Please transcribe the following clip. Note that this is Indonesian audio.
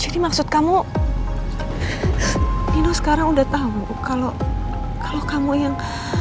jadi maksud kamu nino sekarang udah tahu kalau kamu yang